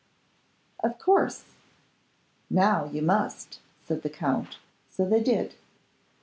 'Of course; now you must,' said the Count: so they did.